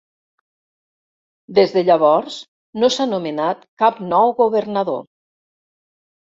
Des de llavors no s'ha nomenat cap nou governador.